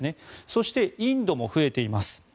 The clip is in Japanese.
そして、インドも増えています。